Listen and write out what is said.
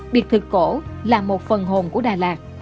biệt thự cổ là một phần hồn của đà lạt